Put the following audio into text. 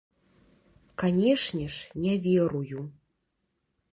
Канешне ж, не верую.